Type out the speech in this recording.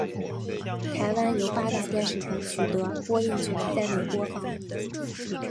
台湾由八大电视台取得播映权在内播放。